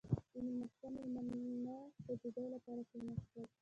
• د میلمستیا مېلمانه د ډوډۍ لپاره کښېناستل.